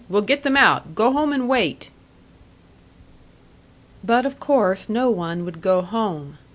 We'll get them out. Go home and wait." But of course no one would go home.